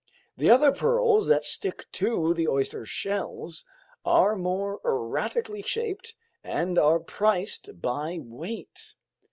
The other pearls that stick to the oyster's shell are more erratically shaped and are priced by weight.